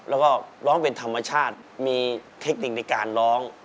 แล้วก็ร้องเป็นธรรมชาติมีเทคนิคในการร้อง